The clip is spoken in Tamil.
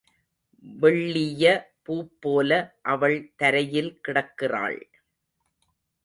வெள்ளிய பூப்போல அவள் தரையில் கிடக்கிறாள்.